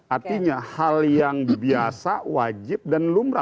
artinya hal yang biasa wajib dan lumrah